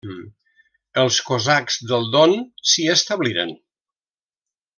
Els cosacs del Don s'hi establiren.